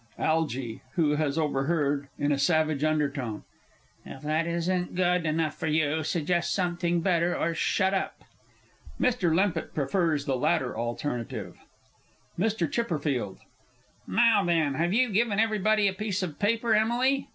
ALGY (who has overheard in a savage undertone). If that isn't good enough for you, suggest something better or shut up! [MR. L. prefers the latter alternative. MR. C. Now, then, have you given everybody a piece of paper, Emily?